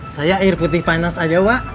saya air putih finance aja wak